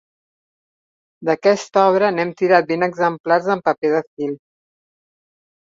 D'aquesta obra, n'hem tirat vint exemplars en paper de fil.